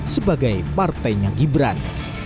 sebagai partainya gibran